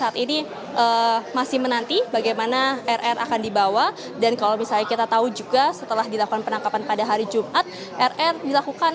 tim liputan kompas tv